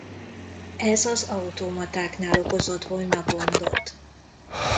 Ez az automatáknál okozott volna gondot.